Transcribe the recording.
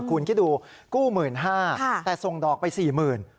คุณคิดดูกู้หมื่นห้าแต่ส่งดอกไปสี่หมื่น